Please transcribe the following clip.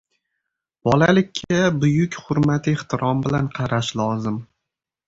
Bolalikka buyuk hurmat-ehtirom bilan qarash lozim.